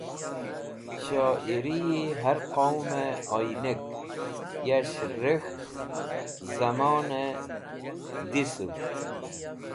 Shoyiriyi har qowmẽ oynek, yas̃h rek̃hk zẽmnaẽ dhisuvd